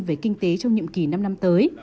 về kinh tế trong nhiệm kỳ năm năm tới